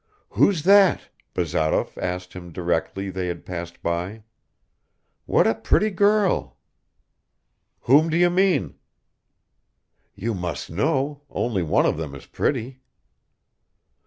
"Who's that?" Bazarov asked him directly they had passed by. "What a pretty girl!" "Whom do you mean?" "You must know; only one of them is pretty."